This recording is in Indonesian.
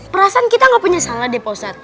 perasaan kita gak punya salah deh pak ustaz